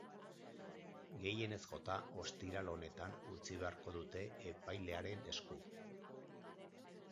Gehienez jota ostiral honetan utzi beharko dute epailearen esku.